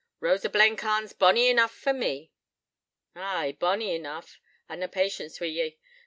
Rosa Blencarn's bonny enough for me.' 'Ay, bonny enough I've na patience wi' ye.